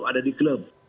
ada di klub